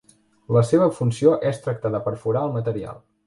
La seva funció és tractar de perforar el material.